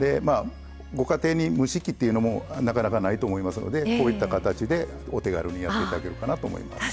ご家庭に蒸し器っていうのもなかなかないと思いますのでこういった形でお手軽にやっていただけるかなと思います。